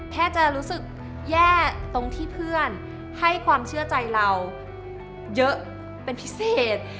แค่จะรู้สึกแย่ตรงที่เพื่อนให้ความเชื่อใจเราเยอะเป็นพิเศษ